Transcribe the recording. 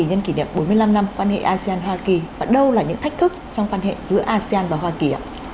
nhân kỷ niệm bốn mươi năm năm quan hệ asean hoa kỳ và đâu là những thách thức trong quan hệ giữa asean và hoa kỳ ạ